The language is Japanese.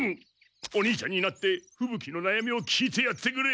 お兄ちゃんになってふぶ鬼のなやみを聞いてやってくれ！